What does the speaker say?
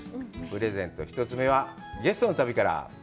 プレゼント、一つ目はゲストの旅から。